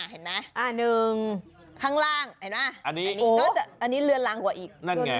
อันนึงข้างล่างอันนี้เรือนลังกว่าอีก